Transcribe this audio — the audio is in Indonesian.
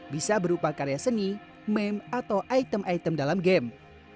bisa berupa karya seni meme atau item item dalam game